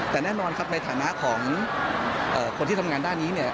แต่แน่นอนในฐานะของคนที่ทำงานด้านนี้